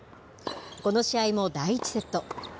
この試合も第１セット。